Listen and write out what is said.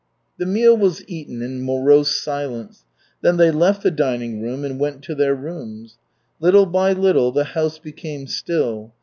The meal was eaten in morose silence. Then they left the dining room and went to their rooms. Little by little the house became still.